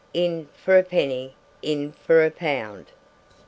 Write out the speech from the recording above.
In for a penny, in for a pound.